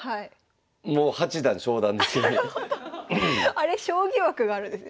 あれ将棋枠があるんですね。